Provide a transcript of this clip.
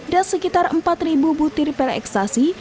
dan sekitar empat ribu butir pil ekstasi